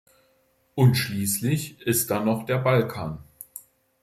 Und schließlich ist da noch der Balkan.